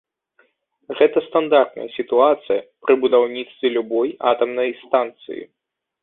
Гэта стандартная сітуацыя пры будаўніцтве любой атамнай станцыі.